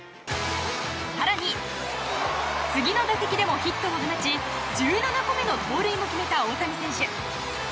更に、次の打席でもヒットを放ち１７個目の盗塁も決めた大谷選手。